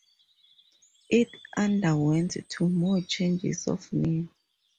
It underwent two more changes of name.